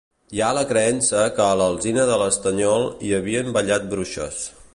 Hi ha la creença que a l'Alzina de l'Estanyol hi havien ballat bruixes.